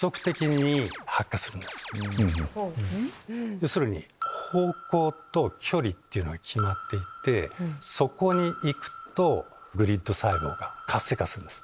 要するに方向と距離が決まっていてそこに行くとグリッド細胞が活性化するんです。